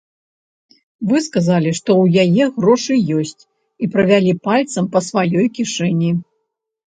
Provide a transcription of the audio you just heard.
Вы сказалі, што ў яе грошы ёсць, і правялі пальцам па сваёй кішэні.